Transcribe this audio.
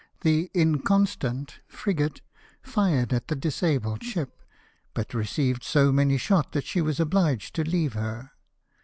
The Inconstant frigate fired at the disabled ship, but received so many shot that she was obliged to leave her.